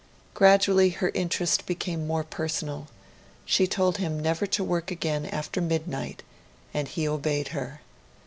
Gradually her interest became more personal; she told him never to work again after midnight, and he obeyed her.